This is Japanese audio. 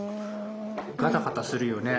ガタガタするよね？